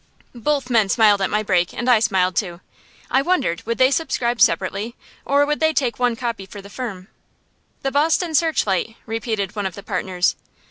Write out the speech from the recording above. Both men smiled at my break, and I smiled, too. I wondered would they subscribe separately, or would they take one copy for the firm. "The 'Boston Searchlight,'" repeated one of the partners.